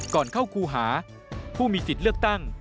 ก่อนเข้าครูหาผู้มีสิทธิ์เลือกตั้ง